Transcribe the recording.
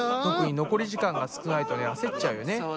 特に残り時間が少ないとね焦っちゃうよね。